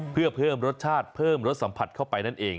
เพื่อเพิ่มรสชาติเพิ่มรสสัมผัสเข้าไปนั่นเอง